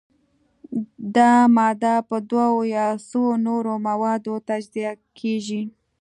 دا ماده په دوو یا څو نورو موادو تجزیه کیږي.